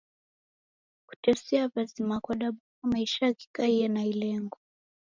Kutesia w'azima kwadabonya maisha ghikaiye na ilengo.